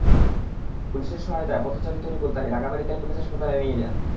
পুলিশের সহায়তায় পথচারী তরিকুল তাঁকে ঢাকা মেডিকেল কলেজ হাসপাতালে নিয়ে যান।